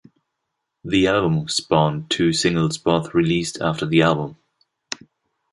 The album spawned two singles, both released after the album.